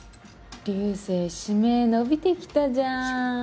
流星指名伸びてきたじゃん。